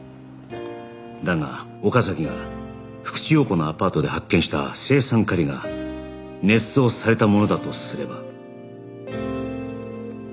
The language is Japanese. だが岡崎が福地陽子のアパートで発見した青酸カリが捏造されたものだとすれば